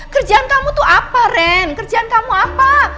kerjaan kamu tuh apa ren kerjaan kamu apa